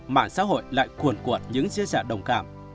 mạng xã hội lại cuồn cuộn những chia sẻ đồng cảm